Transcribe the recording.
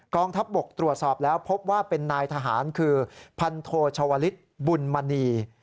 ทัพบกตรวจสอบแล้วพบว่าเป็นนายทหารคือพันโทชาวลิศบุญมณี